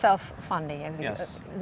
dari pengundi diri sendiri